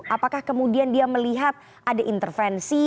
apakah kemudian dia melihat ada intervensi